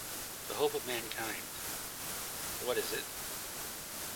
The hope of mankind — what is it?